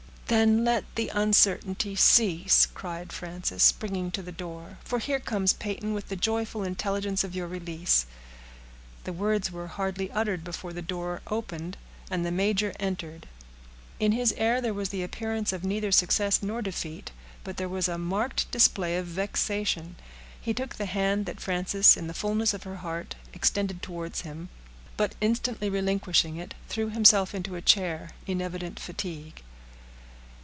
"Then let the uncertainty cease," cried Frances, springing to the door, "for here comes Peyton with the joyful intelligence of your release." The words were hardly uttered, before the door opened, and the major entered. In his air there was the appearance of neither success nor defeat, but there was a marked display of vexation. He took the hand that Frances, in the fullness of her heart, extended towards him, but instantly relinquishing it, threw himself into a chair, in evident fatigue.